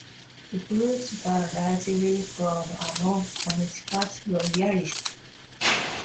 Recruits were largely from among Connecticut Loyalists.